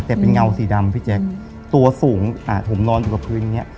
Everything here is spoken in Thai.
แต่เป็นเงาสีดำพี่แจ๊คตัวสูงอ่าผมนอนอยู่กับพื้นอย่างเงี้